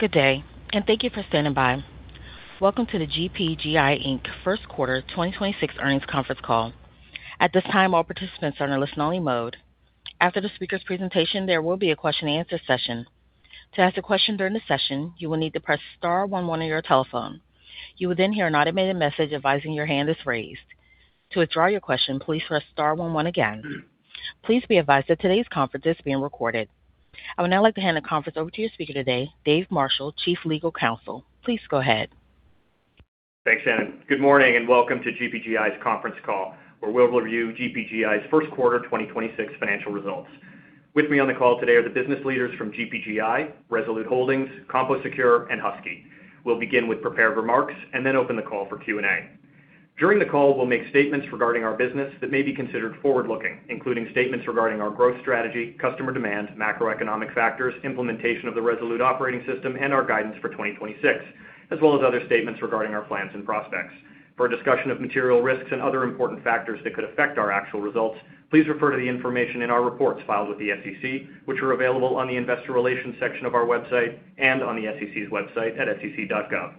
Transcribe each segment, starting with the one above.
Good day. Thank you for standing by. Welcome to the GPGI, Inc. First Quarter 2026 earnings conference call. At this time, all participants are in listen-only mode. After the speaker's presentation, there will be a question-and-answer session. To ask a question during the session, you will need to press star one one on your telephone. You will hear an automated message advising your hand is raised. To withdraw your question, please press star one one again. Please be advised that today's conference is being recorded. I would now like to hand the conference over to your speaker today, David Marshall, Chief Legal Counsel. Please go ahead. Thanks, Shannon. Good morning, and welcome to GPGI's conference call, where we'll review GPGI's first quarter 2026 financial results. With me on the call today are the business leaders from GPGI, Resolute Holdings, CompoSecure, and Husky. We'll begin with prepared remarks and then open the call for Q&A. During the call, we'll make statements regarding our business that may be considered forward-looking, including statements regarding our growth strategy, customer demand, macroeconomic factors, implementation of the Resolute Operating System, and our guidance for 2026, as well as other statements regarding our plans and prospects. For a discussion of material risks and other important factors that could affect our actual results, please refer to the information in our reports filed with the SEC, which are available on the investor relations section of our website and on the SEC's website at sec.gov.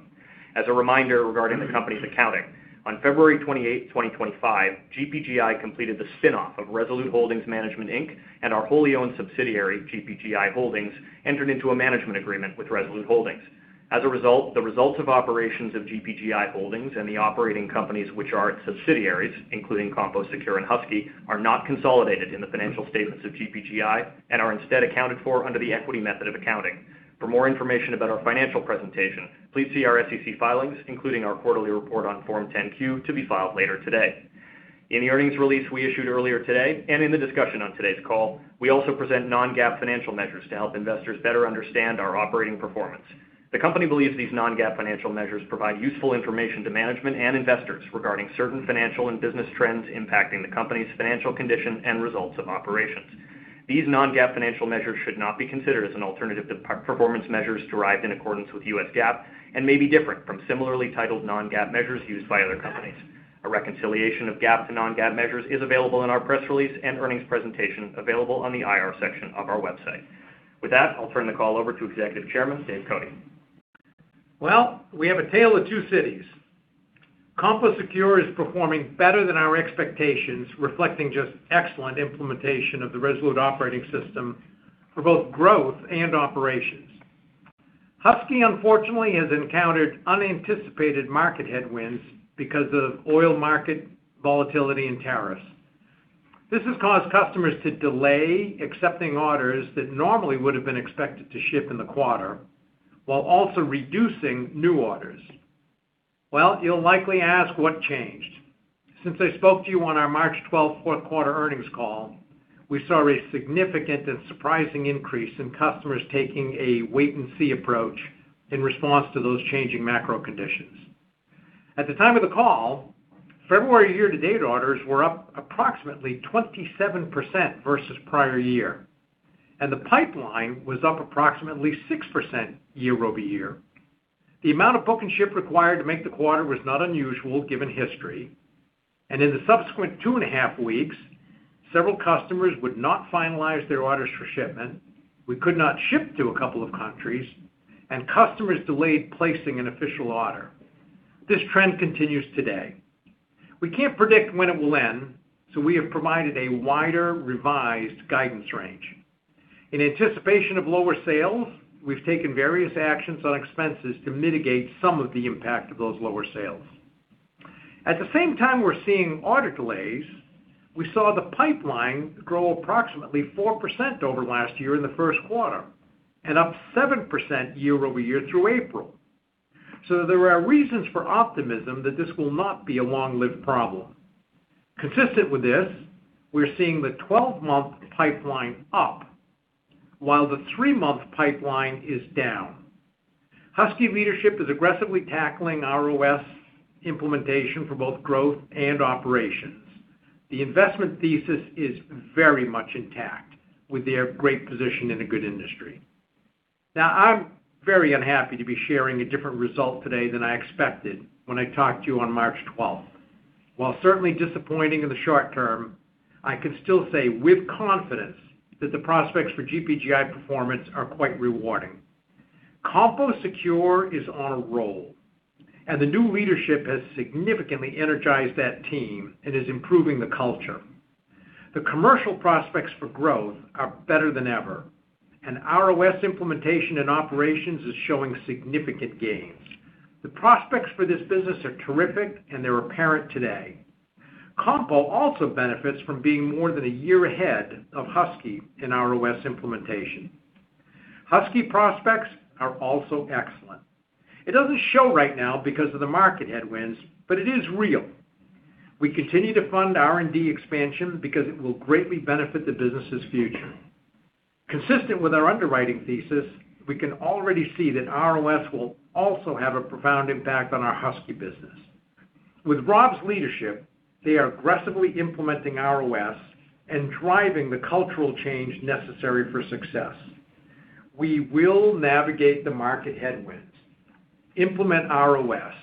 As a reminder regarding the company's accounting, on February 28, 2025, GPGI completed the spin-off of Resolute Holdings Management, Inc., and our wholly owned subsidiary, GPGI Holdings, entered into a management agreement with Resolute Holdings. As a result, the results of operations of GPGI Holdings and the operating companies which are its subsidiaries, including CompoSecure and Husky, are not consolidated in the financial statements of GPGI and are instead accounted for under the equity method of accounting. For more information about our financial presentation, please see our SEC filings, including our quarterly report on Form 10-Q, to be filed later today. In the earnings release we issued earlier today and in the discussion on today's call, we also present non-GAAP financial measures to help investors better understand our operating performance. The company believes these non-GAAP financial measures provide useful information to management and investors regarding certain financial and business trends impacting the company's financial condition and results of operations. These non-GAAP financial measures should not be considered as an alternative to performance measures derived in accordance with U.S. GAAP and may be different from similarly titled non-GAAP measures used by other companies. A reconciliation of GAAP to non-GAAP measures is available in our press release and earnings presentation available on the IR section of our website. With that, I'll turn the call over to Executive Chairman, David Cote. We have a tale of two cities. CompoSecure is performing better than our expectations, reflecting just excellent implementation of the Resolute Operating System for both growth and operations. Husky, unfortunately, has encountered unanticipated market headwinds because of oil market volatility and tariffs. This has caused customers to delay accepting orders that normally would have been expected to ship in the quarter while also reducing new orders. You'll likely ask what changed. Since I spoke to you on our March 12th fourth quarter earnings call, we saw a significant and surprising increase in customers taking a wait and see approach in response to those changing macro conditions. At the time of the call, February year-to-date orders were up approximately 27% versus prior year, and the pipeline was up approximately 6% year-over-year. The amount of book and ship required to make the quarter was not unusual given history. In the subsequent two and a half weeks, several customers would not finalize their orders for shipment, we could not ship to a couple of countries, and customers delayed placing an official order. This trend continues today. We can't predict when it will end. We have provided a wider revised guidance range. In anticipation of lower sales, we've taken various actions on expenses to mitigate some of the impact of those lower sales. At the same time we're seeing order delays, we saw the pipeline grow approximately 4% over last year in the first quarter and up 7% year-over-year through April. There are reasons for optimism that this will not be a long-lived problem. Consistent with this, we're seeing the 12-month pipeline up while the three-month pipeline is down. Husky leadership is aggressively tackling ROS implementation for both growth and operations. The investment thesis is very much intact with their great position in a good industry. Now, I'm very unhappy to be sharing a different result today than I expected when I talked to you on March 12th. While certainly disappointing in the short term, I can still say with confidence that the prospects for GPGI performance are quite rewarding. CompoSecure is on a roll, and the new leadership has significantly energized that team and is improving the culture. The commercial prospects for growth are better than ever, and ROS implementation and operations is showing significant gains. The prospects for this business are terrific, and they're apparent today. Compo also benefits from being more than one year ahead of Husky in ROS implementation. Husky prospects are also excellent. It doesn't show right now because of the market headwinds, but it is real. We continue to fund R&D expansion because it will greatly benefit the business's future. Consistent with our underwriting thesis, we can already see that ROS will also have a profound impact on our Husky business. With Rob Domodossola's leadership, they are aggressively implementing ROS and driving the cultural change necessary for success. We will navigate the market headwinds, implement ROS,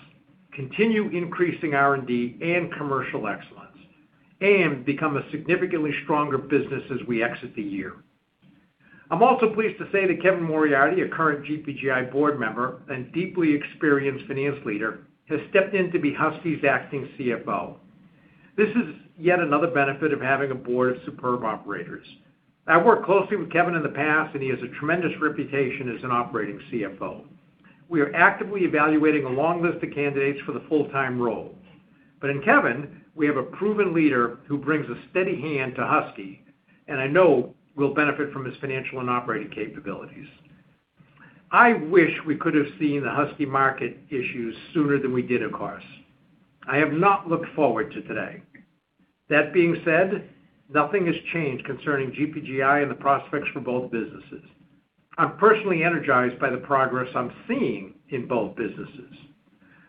continue increasing R&D and commercial excellence, and become a significantly stronger business as we exit the year. I'm also pleased to say that Kevin Moriarty, a current GPGI board member and deeply experienced finance leader, has stepped in to be Husky's acting CFO. This is yet another benefit of having a board of superb operators. I worked closely with Kevin in the past, and he has a tremendous reputation as an operating CFO. We are actively evaluating a long list of candidates for the full-time role. In Kevin, we have a proven leader who brings a steady hand to Husky, and I know will benefit from his financial and operating capabilities. I wish we could have seen the Husky market issues sooner than we did, of course. I have not looked forward to today. That being said, nothing has changed concerning GPGI and the prospects for both businesses. I'm personally energized by the progress I'm seeing in both businesses.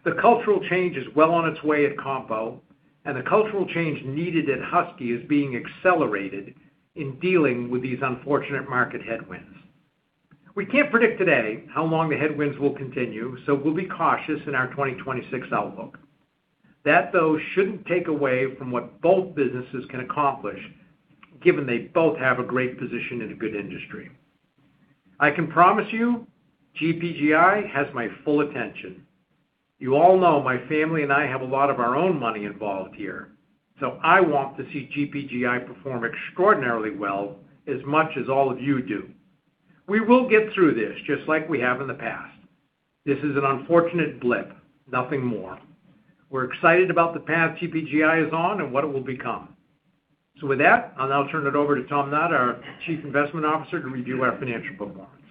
The cultural change is well on its way at Compo, and the cultural change needed at Husky is being accelerated in dealing with these unfortunate market headwinds. We can't predict today how long the headwinds will continue, so we'll be cautious in our 2026 outlook. That, though, shouldn't take away from what both businesses can accomplish, given they both have a great position in a good industry. I can promise you GPGI has my full attention. You all know my family and I have a lot of our own money involved here, so I want to see GPGI perform extraordinarily well as much as all of you do. We will get through this just like we have in the past. This is an unfortunate blip, nothing more. We're excited about the path GPGI is on and what it will become. With that, I'll now turn it over to Tom Knott, our Chief Investment Officer, to review our financial performance.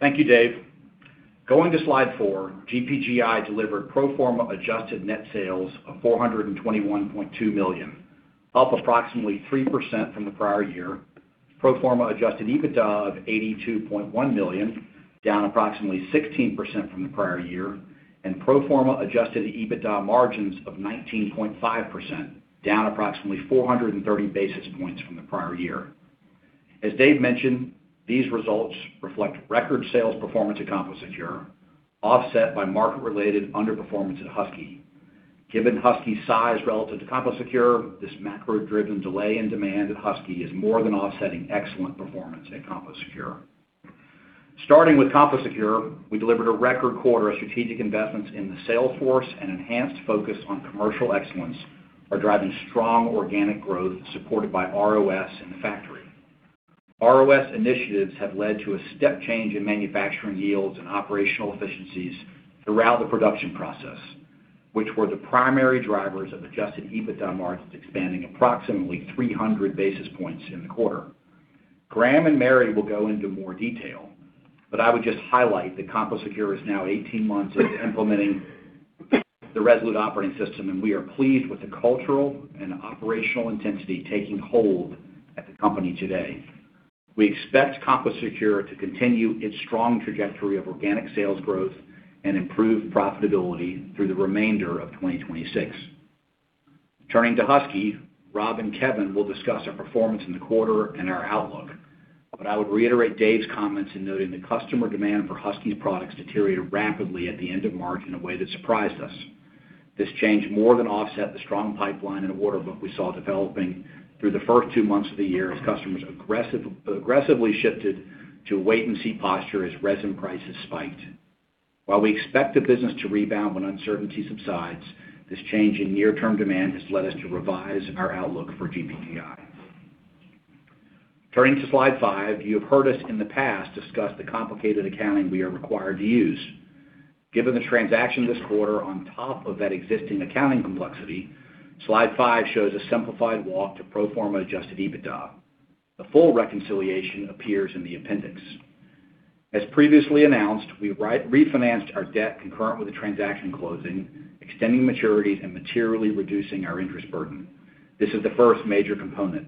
Thank you, David. Going to slide 4, GPGI delivered pro forma adjusted net sales of $421.2 million, up approximately 3% from the prior year. Pro forma adjusted EBITDA of $82.1 million, down approximately 16% from the prior year, and pro forma adjusted EBITDA margins of 19.5%, down approximately 430 basis points from the prior year. As David mentioned, these results reflect record sales performance at CompoSecure, offset by market-related underperformance at Husky. Given Husky's size relative to CompoSecure, this macro-driven delay in demand at Husky is more than offsetting excellent performance at CompoSecure. Starting with CompoSecure, we delivered a record quarter of strategic investments in the sales force and enhanced focus on commercial excellence are driving strong organic growth supported by ROS in the factory. ROS initiatives have led to a step change in manufacturing yields and operational efficiencies throughout the production process, which were the primary drivers of adjusted EBITDA margins expanding approximately 300 basis points in the quarter. Graham and Mary will go into more detail, but I would just highlight that CompoSecure is now 18 months into implementing the Resolute Operating System, and we are pleased with the cultural and operational intensity taking hold at the company today. We expect CompoSecure to continue its strong trajectory of organic sales growth and improve profitability through the remainder of 2026. Turning to Husky, Rob and Kevin will discuss our performance in the quarter and our outlook. I would reiterate Dave's comments in noting that customer demand for Husky's products deteriorated rapidly at the end of March in a way that surprised us. This change more than offset the strong pipeline and order book we saw developing through the first two months of the year as customers aggressively shifted to a wait-and-see posture as resin prices spiked. While we expect the business to rebound when uncertainty subsides, this change in near-term demand has led us to revise our outlook for GPGI. Turning to slide five, you have heard us in the past discuss the complicated accounting we are required to use. Given the transaction this quarter on top of that existing accounting complexity, slide five shows a simplified walk to pro forma adjusted EBITDA. The full reconciliation appears in the appendix. As previously announced, we refinanced our debt concurrent with the transaction closing, extending maturities, and materially reducing our interest burden. This is the first major component.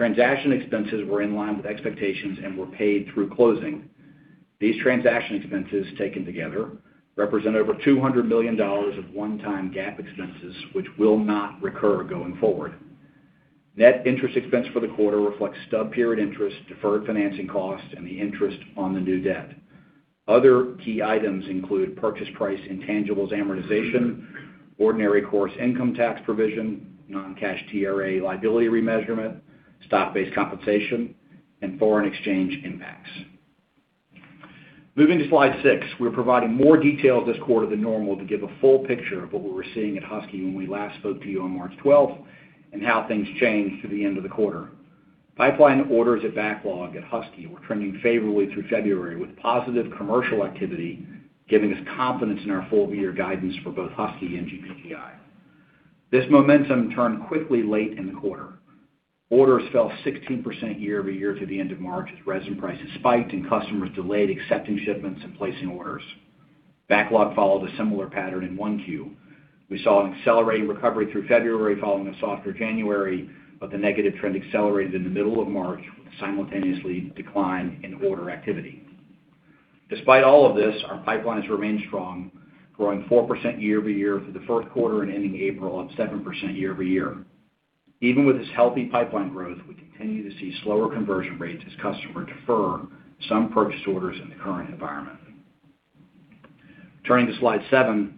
Transaction expenses were in line with expectations and were paid through closing. These transaction expenses taken together represent over $200 million of one-time GAAP expenses, which will not recur going forward. Net interest expense for the quarter reflects stub period interest, deferred financing costs, and the interest on the new debt. Other key items include purchase price intangibles amortization, ordinary course income tax provision, non-cash TRA liability remeasurement, stock-based compensation, and foreign exchange impacts. Moving to slide six, we're providing more detail this quarter than normal to give a full picture of what we were seeing at Husky when we last spoke to you on March 12th, and how things changed through the end of the quarter. Pipeline orders at backlog at Husky were trending favorably through February, with positive commercial activity giving us confidence in our full-year guidance for both Husky and GPGI. This momentum turned quickly late in the quarter. Orders fell 16% year-over-year through the end of March as resin prices spiked and customers delayed accepting shipments and placing orders. Backlog followed a similar pattern in 1Q. We saw an accelerated recovery through February following a softer January, but the negative trend accelerated in the middle of March with a simultaneous decline in order activity. Despite all of this, our pipeline has remained strong, growing 4% year-over-year through the first quarter and ending April up 7% year-over-year. Even with this healthy pipeline growth, we continue to see slower conversion rates as customers defer some purchased orders in the current environment. Turning to slide seven,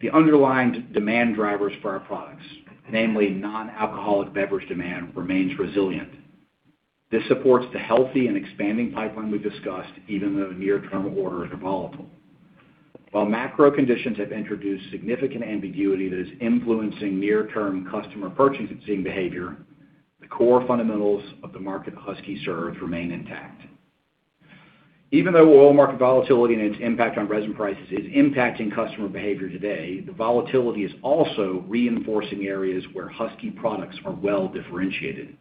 the underlined demand drivers for our products, namely non-alcoholic beverage demand, remains resilient. This supports the healthy and expanding pipeline we discussed even though near-term orders are volatile. While macro conditions have introduced significant ambiguity that is influencing near-term customer purchasing behavior, the core fundamentals of the market Husky serves remain intact. Even though oil market volatility and its impact on resin prices is impacting customer behavior today, the volatility is also reinforcing areas where Husky products are well-differentiated.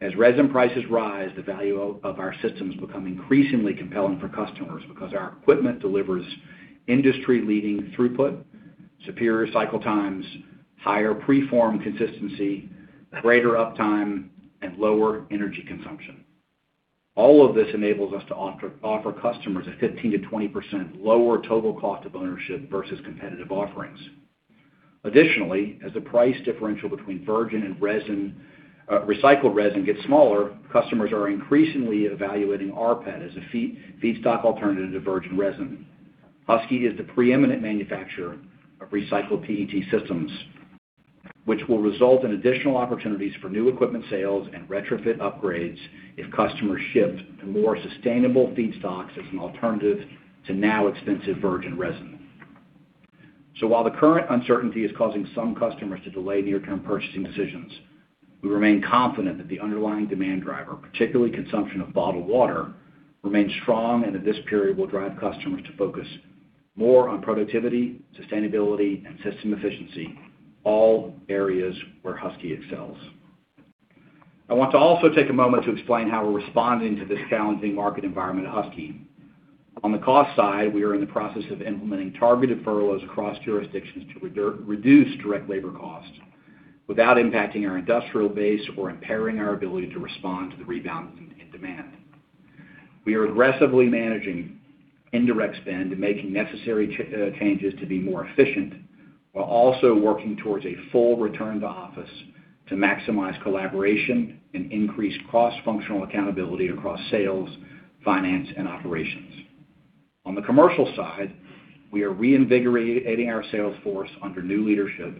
As resin prices rise, the value of our systems become increasingly compelling for customers because our equipment delivers industry-leading throughput, superior cycle times, higher preform consistency, greater uptime, and lower energy consumption. All of this enables us to offer customers a 15%-20% lower total cost of ownership versus competitive offerings. Additionally, as the price differential between virgin and recycled resin gets smaller, customers are increasingly evaluating rPET as a feedstock alternative to virgin resin. Husky is the preeminent manufacturer of recycled PET systems, which will result in additional opportunities for new equipment sales and retrofit upgrades if customers shift to more sustainable feedstocks as an alternative to now expensive virgin resin. While the current uncertainty is causing some customers to delay near-term purchasing decisions, we remain confident that the underlying demand driver, particularly consumption of bottled water, remains strong and that this period will drive customers to focus more on productivity, sustainability, and system efficiency, all areas where Husky excels. I want to also take a moment to explain how we're responding to this challenging market environment at Husky. On the cost side, we are in the process of implementing targeted furloughs across jurisdictions to reduce direct labor costs without impacting our industrial base or impairing our ability to respond to the rebound in demand. We are aggressively managing indirect spend and making necessary changes to be more efficient while also working towards a full return to office to maximize collaboration and increase cross-functional accountability across sales, finance, and operations. On the commercial side, we are reinvigorating our sales force under new leadership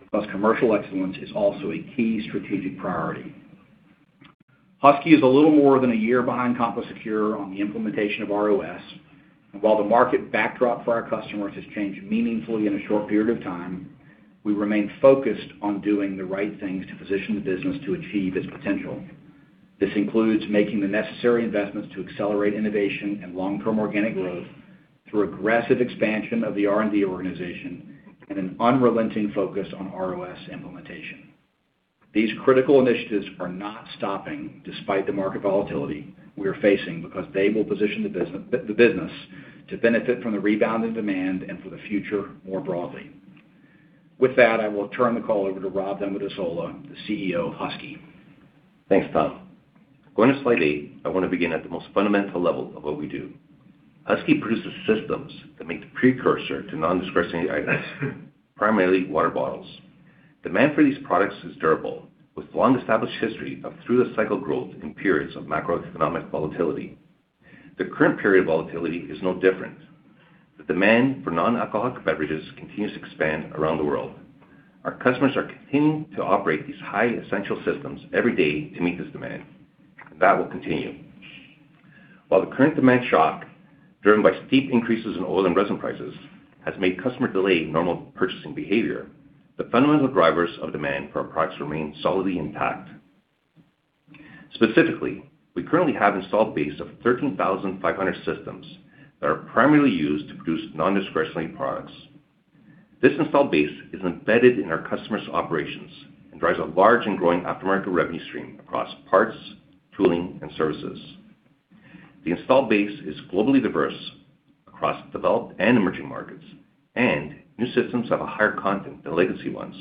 because commercial excellence is also a key strategic priority. Husky is a little more than a year behind CompoSecure on the implementation of ROS. While the market backdrop for our customers has changed meaningfully in a short period of time, we remain focused on doing the right things to position the business to achieve its potential. This includes making the necessary investments to accelerate innovation and long-term organic growth through aggressive expansion of the R&D organization and an unrelenting focus on ROS implementation. These critical initiatives are not stopping despite the market volatility we are facing because they will position the business to benefit from the rebound in demand and for the future more broadly. With that, I will turn the call over to Robert Domodossola, the CEO of Husky. Thanks, Tom. Going to slide eight, I want to begin at the most fundamental level of what we do. Husky produces systems that make the precursor to non-discretionary items, primarily water bottles. Demand for these products is durable, with long-established history of through-the-cycle growth in periods of macroeconomic volatility. The current period of volatility is no different. The demand for non-alcoholic beverages continues to expand around the world. Our customers are continuing to operate these high essential systems every day to meet this demand, and that will continue. While the current demand shock, driven by steep increases in oil and resin prices, has made customer delay normal purchasing behavior, the fundamental drivers of demand for our products remain solidly intact. Specifically, we currently have installed base of 13,500 systems that are primarily used to produce non-discretionary products. This installed base is embedded in our customers' operations and drives a large and growing aftermarket revenue stream across parts, tooling, and services. The installed base is globally diverse across developed and emerging markets, and new systems have a higher content than legacy ones.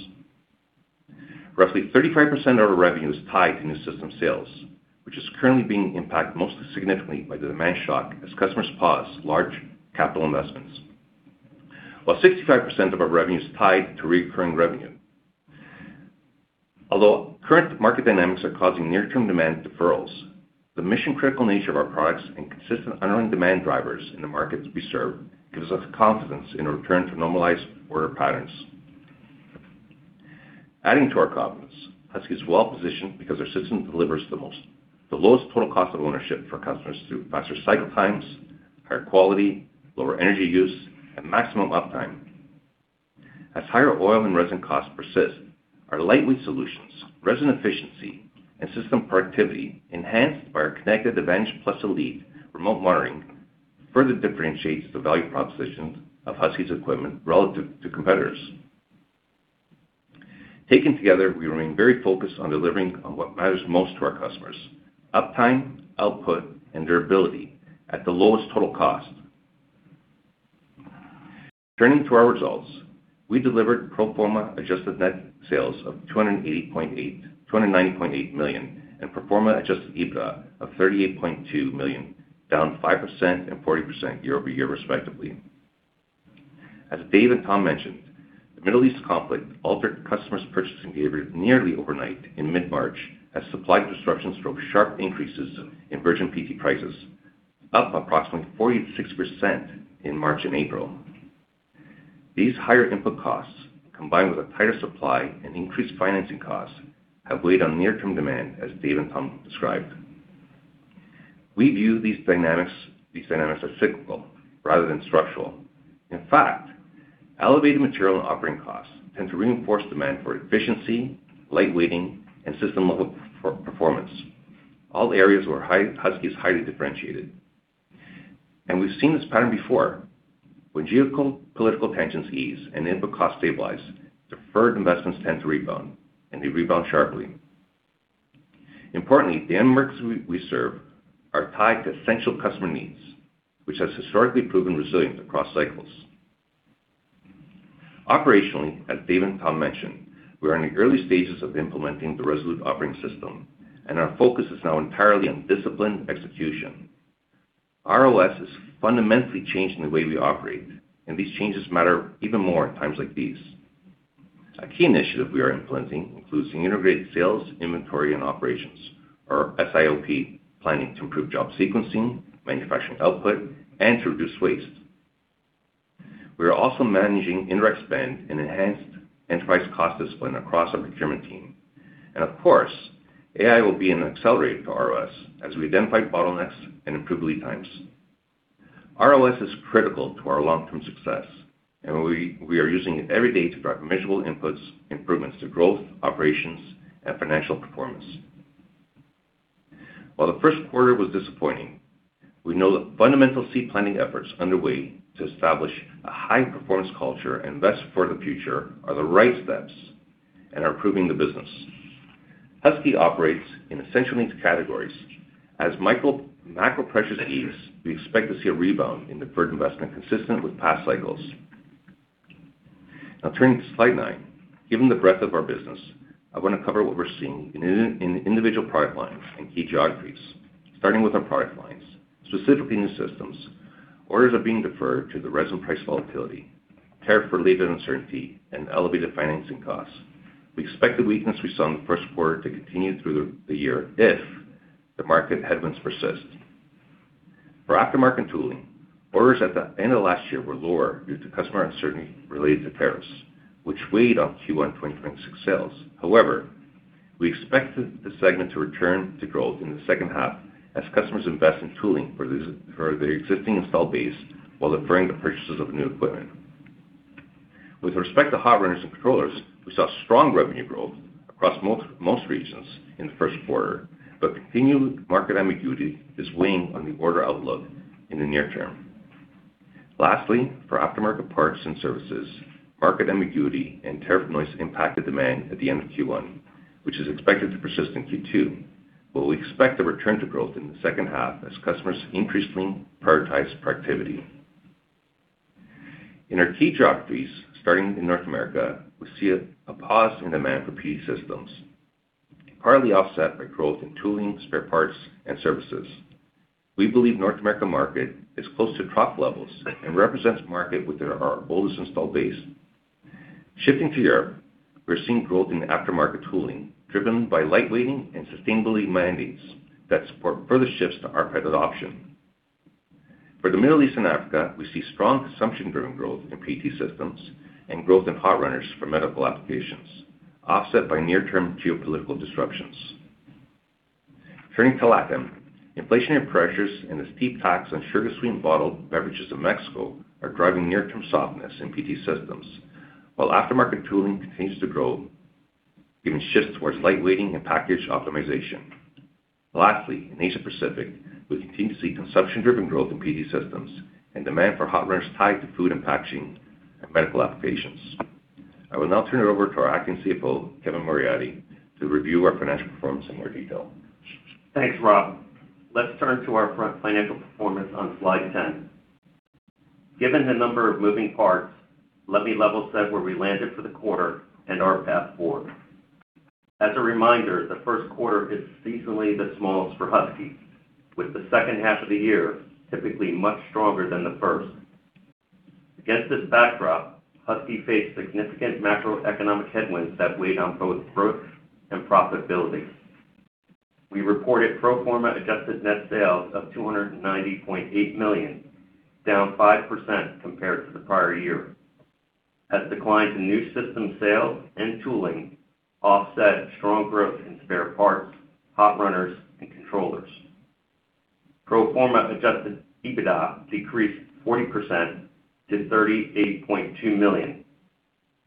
Roughly 35% of our revenue is tied to new system sales, which is currently being impacted most significantly by the demand shock as customers pause large capital investments. While 65% of our revenue is tied to recurring revenue. Although current market dynamics are causing near-term demand deferrals, the mission-critical nature of our products and consistent underlying demand drivers in the markets we serve gives us confidence in a return to normalized order patterns. Adding to our confidence, Husky is well-positioned because our system delivers the lowest total cost of ownership for customers through faster cycle times, higher quality, lower energy use, and maximum uptime. As higher oil and resin costs persist, our lightweight solutions, resin efficiency, and system productivity enhanced by our connected Advantage+Elite remote monitoring further differentiates the value propositions of Husky's equipment relative to competitors. Taken together, we remain very focused on delivering on what matters most to our customers: uptime, output, and durability at the lowest total cost. Turning to our results, we delivered pro forma adjusted net sales of $290.8 million and pro forma adjusted EBITDA of $38.2 million, down 5% and 40% YoY respectively. As David Cote and Tom Knott mentioned, the Middle East conflict altered customers' purchasing behavior nearly overnight in mid-March as supply disruptions drove sharp increases in virgin PET prices, up approximately 46% in March and April. These higher input costs, combined with a tighter supply and increased financing costs, have weighed on near-term demand, as David Cote and Tom Knott described. We view these dynamics as cyclical rather than structural. In fact, elevated material and operating costs tend to reinforce demand for efficiency, lightweighting, and system-level performance, all areas where Husky is highly differentiated. We've seen this pattern before. When geopolitical tensions ease and input costs stabilize, deferred investments tend to rebound, they rebound sharply. Importantly, the end markets we serve are tied to essential customer needs, which has historically proven resilient across cycles. Operationally, as Dave and Tom mentioned, we are in the early stages of implementing the Resolute Operating System, and our focus is now entirely on disciplined execution. ROS is fundamentally changing the way we operate, and these changes matter even more in times like these. A key initiative we are influencing includes integrated sales, inventory, and operations, or SIOP, planning to improve job sequencing, manufacturing output, and to reduce waste. We are also managing indirect spend and enhanced enterprise cost discipline across our procurement team. AI will be an accelerator for ROS as we identify bottlenecks and improve lead times. ROS is critical to our long-term success, and we are using it every day to drive measurable inputs, improvements to growth, operations, and financial performance. While the first quarter was disappointing, we know that fundamental seed planting efforts underway to establish a high-performance culture and invest for the future are the right steps and are improving the business. Husky operates in essential needs categories. As macro pressures ease, we expect to see a rebound in deferred investment consistent with past cycles. Now turning to slide nine. Given the breadth of our business, I want to cover what we're seeing in individual product lines and key geographies. Starting with our product lines, specifically new systems, orders are being deferred due to the resin price volatility, tariff-related uncertainty, and elevated financing costs. We expect the weakness we saw in the first quarter to continue through the year if the market headwinds persist. For aftermarket tooling, orders at the end of last year were lower due to customer uncertainty related to tariffs, which weighed on Q1 2026 sales. However, we expect the segment to return to growth in the second half as customers invest in tooling for their existing installed base while deferring the purchases of new equipment. With respect to hot runners and controllers, we saw strong revenue growth across most regions in the first quarter, but continued market ambiguity is weighing on the order outlook in the near term. Lastly, for aftermarket parts and services, market ambiguity and tariff noise impacted demand at the end of Q1, which is expected to persist in Q2, but we expect a return to growth in the second half as customers increasingly prioritize productivity. In our key geographies, starting in North America, we see a pause in demand for PET systems, partly offset by growth in tooling, spare parts, and services. We believe North America market is close to trough levels and represents market with our boldest installed base. Shifting to Europe, we're seeing growth in aftermarket tooling, driven by lightweighting and sustainability mandates that support further shifts to rPET adoption. For the Middle East and Africa, we see strong consumption-driven growth in PET systems and growth in hot runners for medical applications, offset by near-term geopolitical disruptions. Turning to LATAM, inflationary pressures and the steep tax on sugar-sweetened bottled beverages in Mexico are driving near-term softness in PET systems, while aftermarket tooling continues to grow, given shifts towards lightweighting and package optimization. Lastly, in Asia Pacific, we continue to see consumption-driven growth in PET systems and demand for hot runners tied to food and packaging and medical applications. I will now turn it over to our acting CFO, Kevin Moriarty, to review our financial performance in more detail. Thanks, Rob. Let's turn to our financial performance on slide 10. Given the number of moving parts, let me level set where we landed for the quarter and our path forward. As a reminder, the 1st quarter is seasonally the smallest for Husky, with the second half of the year typically much stronger than the 1st. Against this backdrop, Husky faced significant macroeconomic headwinds that weighed on both growth and profitability. We reported pro forma adjusted net sales of $290.8 million, down 5% compared to the prior year, as declines in new system sales and tooling offset strong growth in spare parts, hot runners, and controllers. Pro forma adjusted EBITDA decreased 40% to $38.2 million,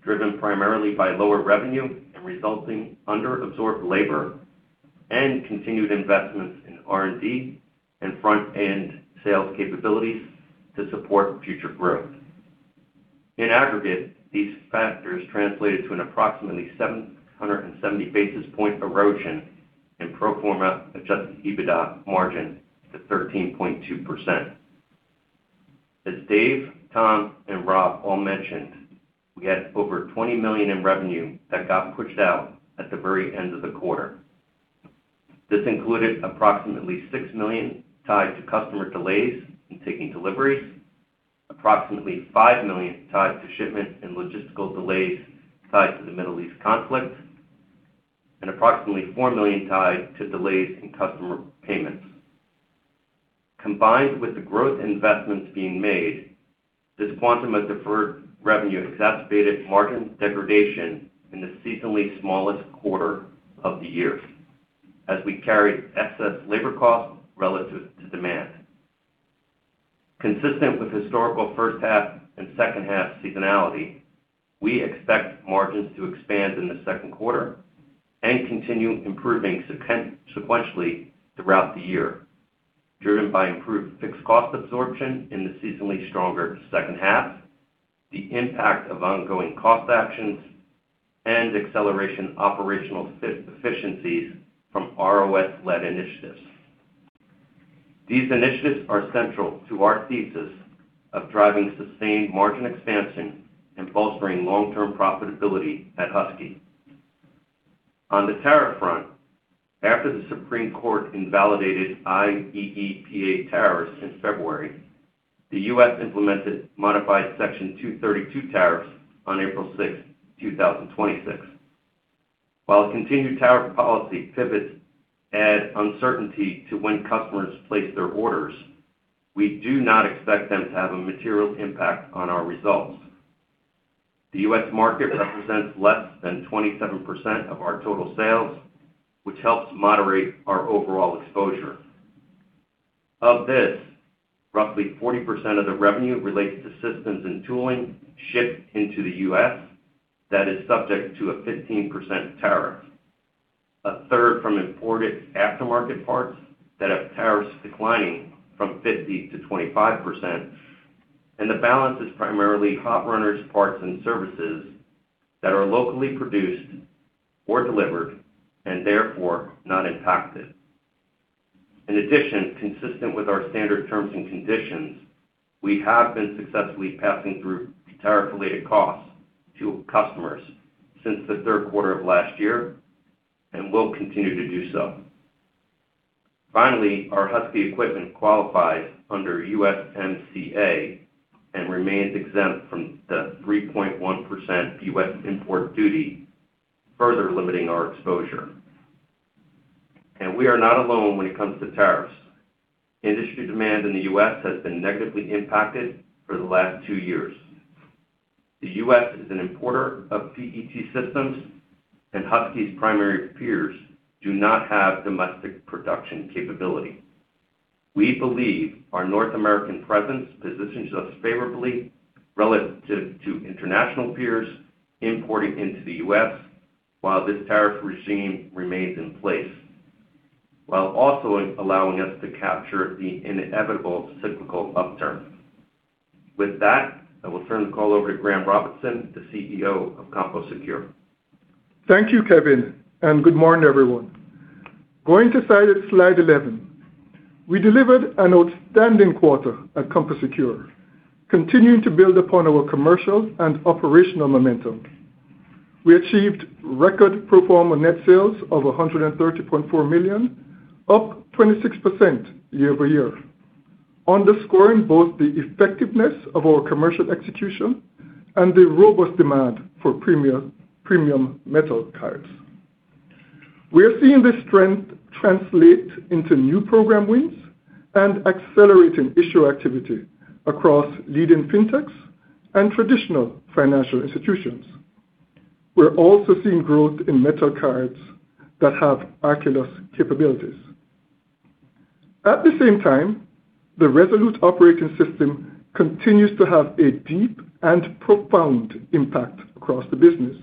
driven primarily by lower revenue and resulting underabsorbed labor and continued investments in R&D and front-end sales capabilities to support future growth. In aggregate, these factors translated to an approximately 770 basis point erosion in pro forma adjusted EBITDA margin to 13.2%. As Dave, Tom, and Rob all mentioned, we had over $20 million in revenue that got pushed out at the very end of the quarter. This included approximately $6 million tied to customer delays in taking deliveries, approximately $5 million tied to shipment and logistical delays tied to the Middle East conflict, and approximately $4 million tied to delays in customer payments. Combined with the growth investments being made, this quantum of deferred revenue exacerbated margin degradation in the seasonally smallest quarter of the year as we carried excess labor costs relative to demand. Consistent with historical first half and second half seasonality, we expect margins to expand in the second quarter and continue improving sequentially throughout the year, driven by improved fixed cost absorption in the seasonally stronger second half, the impact of ongoing cost actions, and acceleration operational efficiencies from ROS-led initiatives. These initiatives are central to our thesis of driving sustained margin expansion and bolstering long-term profitability at Husky. On the tariff front, after the Supreme Court invalidated IEEPA tariffs in February, the U.S. implemented modified Section 232 tariffs on April 6, 2026. While continued tariff policy pivots add uncertainty to when customers place their orders, we do not expect them to have a material impact on our results. The U.S. market represents less than 27% of our total sales, which helps moderate our overall exposure. Of this, roughly 40% of the revenue relates to systems and tooling shipped into the U.S. that is subject to a 15% tariff, a third from imported aftermarket parts that have tariffs declining from 50%-25%, and the balance is primarily hot runners, parts, and services that are locally produced or delivered and therefore not impacted. In addition, consistent with our standard terms and conditions, we have been successfully passing through tariff-related costs to customers since the third quarter of last year and will continue to do so. Our Husky equipment qualifies under USMCA and remains exempt from the 3.1% U.S. import duty, further limiting our exposure. We are not alone when it comes to tariffs. Industry demand in the U.S. has been negatively impacted for the last two years. The U.S. is an importer of PET systems, and Husky's primary peers do not have domestic production capability. We believe our North American presence positions us favorably relative to international peers importing into the U.S. while this tariff regime remains in place, while also allowing us to capture the inevitable cyclical upturn. With that, I will turn the call over to Graham Robinson, the CEO of CompoSecure. Thank you, Kevin, and good morning, everyone. Going to slide 11. We delivered an outstanding quarter at CompoSecure, continuing to build upon our commercial and operational momentum. We achieved record pro forma net sales of $130.4 million, up 26% year-over-year, underscoring both the effectiveness of our commercial execution and the robust demand for premium metal cards. We are seeing this trend translate into new program wins and accelerating issuer activity across leading fintechs and traditional financial institutions. We're also seeing growth in metal cards that have Arculus capabilities. At the same time, the Resolute Operating System continues to have a deep and profound impact across the business.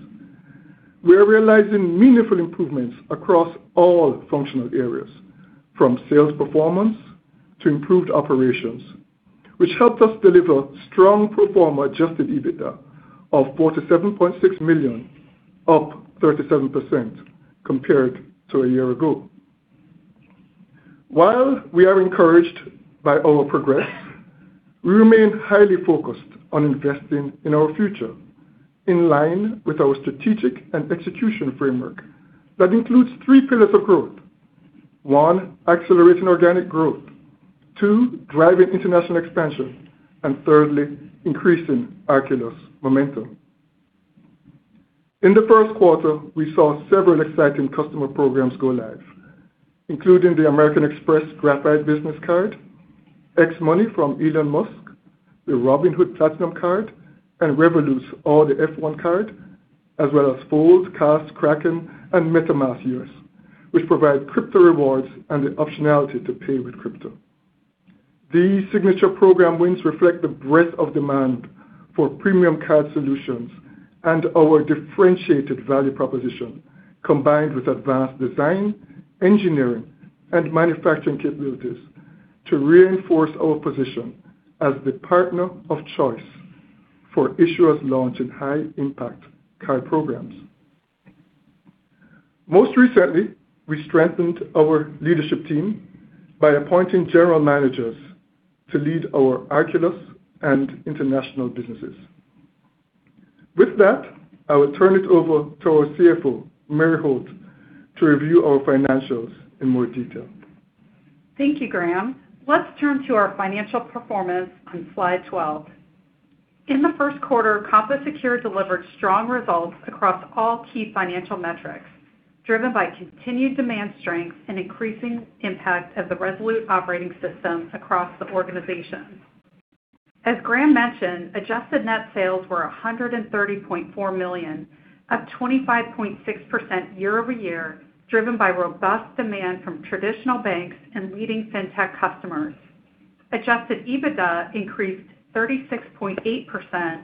We are realizing meaningful improvements across all functional areas, from sales performance to improved operations, which helped us deliver strong pro forma adjusted EBITDA of $47.6 million, up 37% compared to a year ago. We are encouraged by our progress, we remain highly focused on investing in our future, in line with our strategic and execution framework that includes three pillars of growth. One, accelerating organic growth. Two, driving international expansion. Thirdly, increasing Arculus momentum. In the first quarter, we saw several exciting customer programs go live, including the American Express Graphite Business Card, xMoney from Elon Musk, the Robinhood Platinum Card, and Revolut's All The F1 Card, as well as Fold, Cash App, Kraken, and MetaMask, which provide crypto rewards and the optionality to pay with crypto. These signature program wins reflect the breadth of demand for premium card solutions and our differentiated value proposition, combined with advanced design, engineering, and manufacturing capabilities to reinforce our position as the partner of choice for issuers launching high-impact card programs. Most recently, we strengthened our leadership team by appointing general managers to lead our Arculus and international businesses. With that, I will turn it over to our CFO, Mary Holt, to review our financials in more detail. Thank you, Graham. Let's turn to our financial performance on slide 12. In the first quarter, CompoSecure delivered strong results across all key financial metrics, driven by continued demand strength and increasing impact of the Resolute Operating System across the organization. As Graham mentioned, adjusted net sales were $130.4 million, up 25.6% year-over-year, driven by robust demand from traditional banks and leading Fintech customers. Adjusted EBITDA increased 36.8%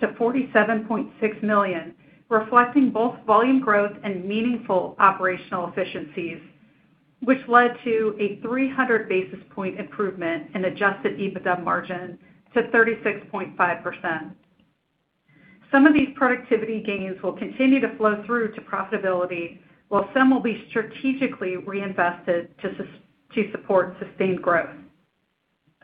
to $47.6 million, reflecting both volume growth and meaningful operational efficiencies, which led to a 300 basis point improvement in adjusted EBITDA margin to 36.5%. Some of these productivity gains will continue to flow through to profitability, while some will be strategically reinvested to support sustained growth.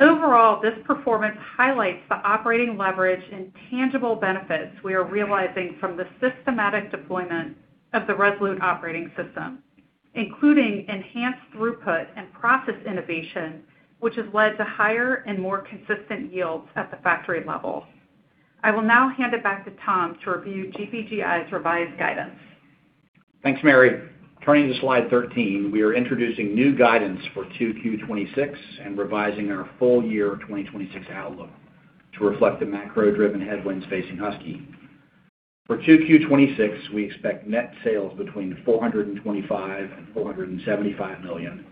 Overall, this performance highlights the operating leverage and tangible benefits we are realizing from the systematic deployment of the Resolute Operating System, including enhanced throughput and process innovation, which has led to higher and more consistent yields at the factory level. I will now hand it back to Tom to review GPGI's revised guidance. Thanks, Mary. Turning to slide 13, we are introducing new guidance for 2Q 2026 and revising our full year 2026 outlook to reflect the macro-driven headwinds facing Husky. For 2Q 2026, we expect net sales between $425 million-$475 million,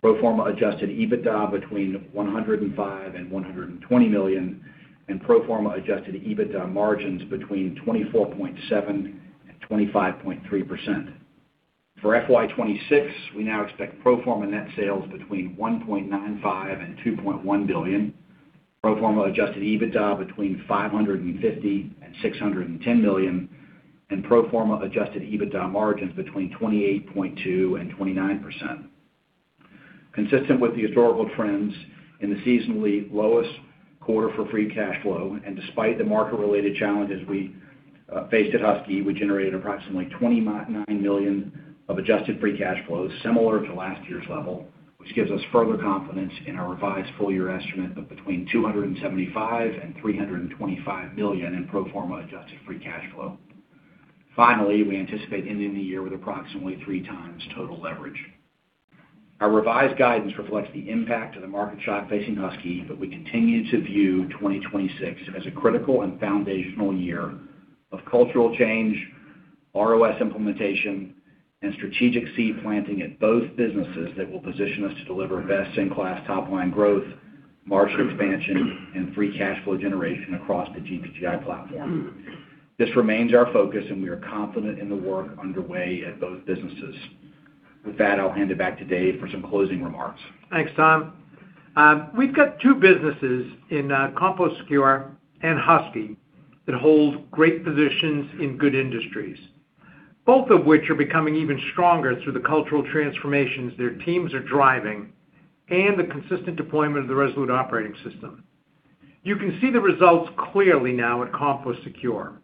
pro forma adjusted EBITDA between $105 million-$120 million, and pro forma adjusted EBITDA margins between 24.7%-25.3%. For FY 2026, we now expect pro forma net sales between $1.95 billion-$2.1 billion, pro forma adjusted EBITDA between $550 million-$610 million, and pro forma adjusted EBITDA margins between 28.2%-29%. Consistent with the historical trends in the seasonally lowest quarter for free cash flow and despite the market-related challenges we faced at Husky, we generated approximately $29 million of adjusted free cash flow, similar to last year's level, which gives us further confidence in our revised full year estimate of between $275 million-$325 million in pro forma adjusted free cash flow. We anticipate ending the year with approximately 3x total leverage. Our revised guidance reflects the impact of the market shock facing Husky, but we continue to view 2026 as a critical and foundational year of cultural change, ROS implementation, and strategic seed planting at both businesses that will position us to deliver best-in-class top-line growth, margin expansion, and free cash flow generation across the GPGI platform. This remains our focus, and we are confident in the work underway at both businesses. With that, I'll hand it back to Dave for some closing remarks. Thanks, Tom. We've got two businesses in CompoSecure and Husky that hold great positions in good industries, both of which are becoming even stronger through the cultural transformations their teams are driving and the consistent deployment of the Resolute Operating System. You can see the results clearly now at CompoSecure.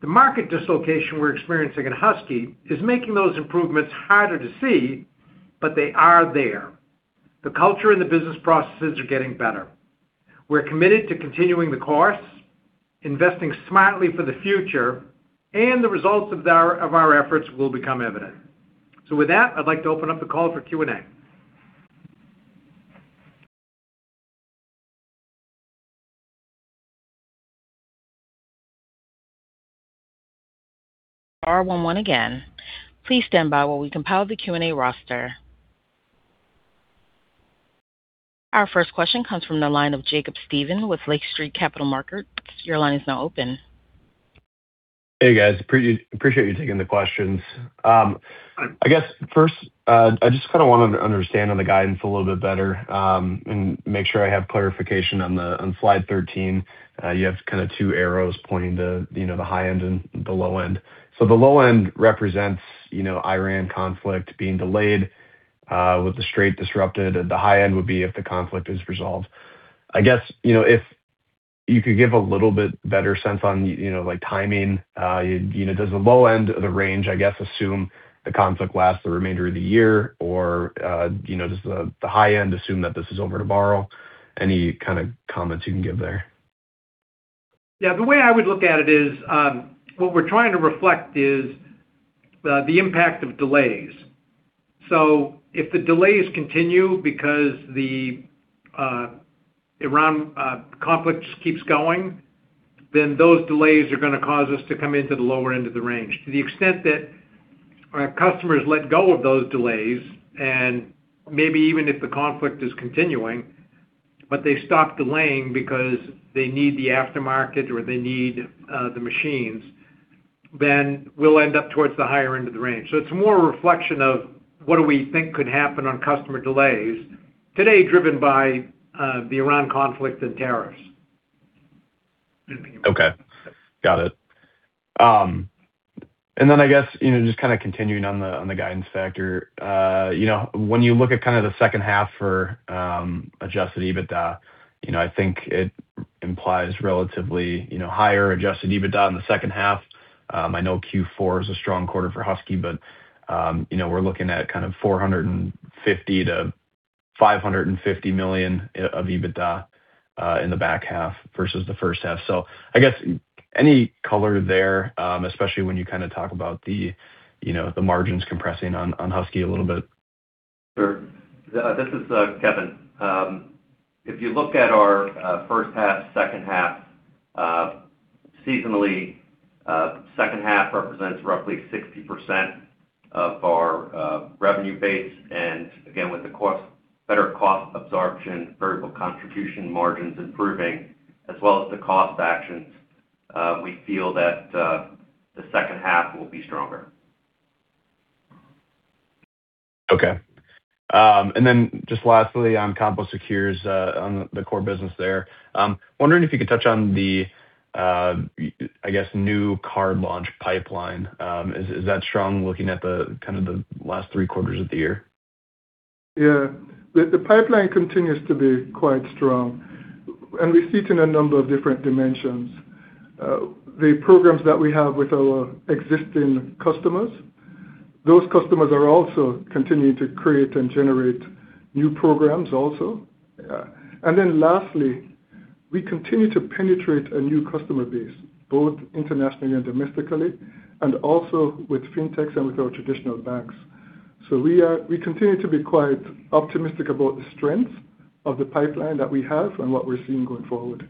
The market dislocation we're experiencing in Husky is making those improvements harder to see, but they are there. The culture and the business processes are getting better. We're committed to continuing the course, investing smartly for the future, and the results of our efforts will become evident. With that, I'd like to open up the call for Q&A. Please stand by as we compile our Q&A roster. Our first question comes from the line of Jacob Stephan with Lake Street Capital Markets. Hey, guys. Appreciate you taking the questions. I guess first, I just wanted to understand on the guidance a little bit better and make sure I have clarification on the On slide 13, you have kind of two arrows pointing to, you know, the high end and the low end. The low end represents, you know, Iran conflict being delayed with the Strait disrupted. At the high end would be if the conflict is resolved. I guess, you know, if you could give a little bit better sense on, you know, timing, does the low end of the range, I guess, assume the conflict lasts the remainder of the year? Does the high end assume that this is over tomorrow? Any kind of comments you can give there? Yeah. The way I would look at it is, what we're trying to reflect is the impact of delays. If the delays continue because the Iran conflict keeps going, then those delays are gonna cause us to come into the lower end of the range. To the extent that our customers let go of those delays and maybe even if the conflict is continuing, but they stop delaying because they need the aftermarket or they need the machines, then we'll end up towards the higher end of the range. It's more a reflection of what do we think could happen on customer delays today driven by the Iran conflict and tariffs. Okay. Got it. I guess, you know, just kind of continuing on the, on the guidance factor. You know, when you look at kind of the second half for adjusted EBITDA, you know, I think it implies relatively, you know, higher adjusted EBITDA in the second half. I know Q4 is a strong quarter for Husky, but, you know, we're looking at kind of $450 million-$550 million of EBITDA in the back half versus the first half. I guess any color there, especially when you kind of talk about the, you know, the margins compressing on Husky a little bit. Sure. This is Kevin. If you look at our first half, second half, seasonally, second half represents roughly 60% of our revenue base. With the better cost absorption, variable contribution margins improving as well as the cost actions, we feel that the second half will be stronger. Okay. Just lastly on CompoSecure's, on the core business there. Wondering if you could touch on the, I guess, new card launch pipeline. Is that strong looking at the kind of the last three quarters of the year? Yeah. The pipeline continues to be quite strong, and we see it in a number of different dimensions. The programs that we have with our existing customers, those customers are also continuing to create and generate new programs also. Lastly, we continue to penetrate a new customer base, both internationally and domestically, and also with Fintechs and with our traditional banks. We continue to be quite optimistic about the strength of the pipeline that we have and what we're seeing going forward.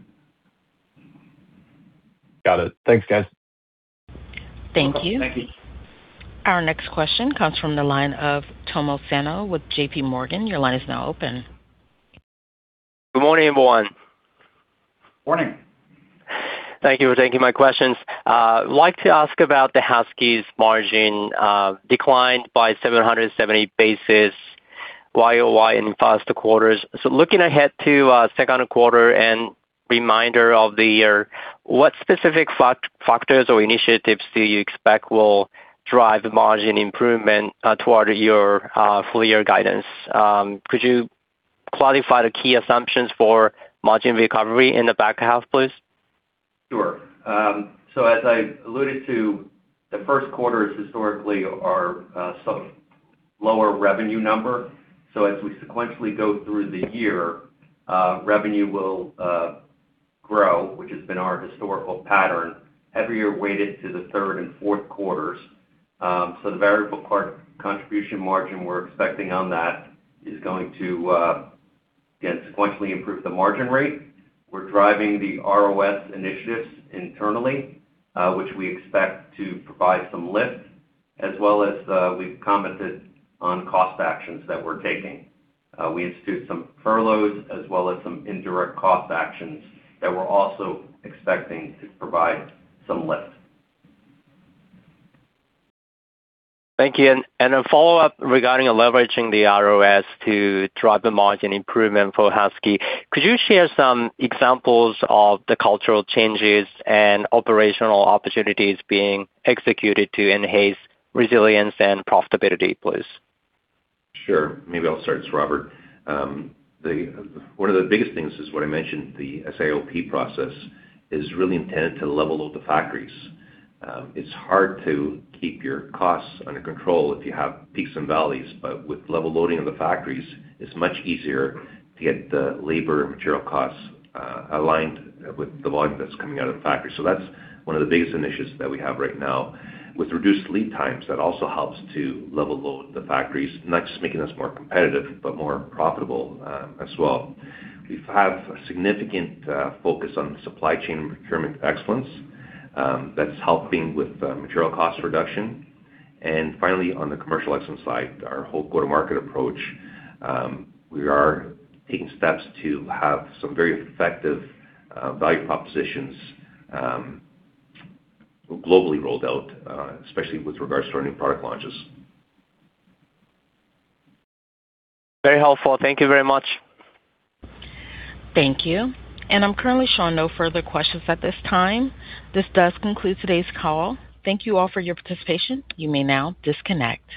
Got it. Thanks, guys. Thank you. Thank you. Our next question comes from the line of Tomohiko Sano with JPMorgan. Your line is now open. Good morning, everyone. Morning. Thank you for taking my questions. like to ask about the Husky's margin, declined by 770 basis YoY in the past quarters. looking ahead to second quarter and remainder of the year, what specific factors or initiatives do you expect will drive the margin improvement, toward your full year guidance? could you clarify the key assumptions for margin recovery in the back half, please? Sure. As I alluded to, the first quarter is historically our lower revenue number. As we sequentially go through the year, revenue will grow, which has been our historical pattern every year weighted to the third and fourth quarters. The variable part contribution margin we're expecting on that is going to sequentially improve the margin rate. We're driving the ROS initiatives internally, which we expect to provide some lift, as well as, we've commented on cost actions that we're taking. We instituted some furloughs as well as some indirect cost actions that we're also expecting to provide some lift. Thank you. A follow-up regarding leveraging the ROS to drive the margin improvement for Husky. Could you share some examples of the cultural changes and operational opportunities being executed to enhance resilience and profitability, please? Sure. Maybe I'll start. It's Robert. One of the biggest things is what I mentioned, the SIOP process is really intended to level load the factories. It's hard to keep your costs under control if you have peaks and valleys, but with level loading of the factories, it's much easier to get the labor and material costs aligned with the volume that's coming out of the factory. That's one of the biggest initiatives that we have right now. With reduced lead times, that also helps to level load the factories, not just making us more competitive but more profitable as well. We have a significant focus on supply chain and procurement excellence that's helping with material cost reduction. Finally, on the commercial excellence side, our whole go-to-market approach, we are taking steps to have some very effective value propositions globally rolled out, especially with regards to our new product launches. Very helpful. Thank you very much. Thank you. I'm currently showing no further questions at this time. This does conclude today's call. Thank you all for your participation. You may now disconnect.